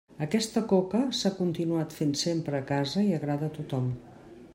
Aquesta coca s'ha continuat fent sempre a casa i agrada a tothom.